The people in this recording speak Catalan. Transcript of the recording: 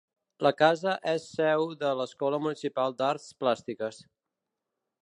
La casa és seu de l'Escola Municipal d'Arts Plàstiques.